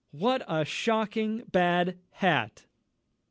_" "_What a shocking bad hat!